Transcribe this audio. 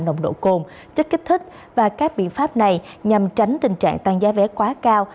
nồng độ cồn chất kích thích và các biện pháp này nhằm tránh tình trạng tăng giá vé quá cao